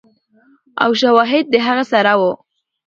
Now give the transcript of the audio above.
او شواهد د هغه سره ؤ